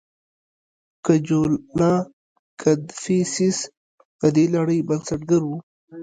کجولا کدفیسس د دې لړۍ بنسټګر و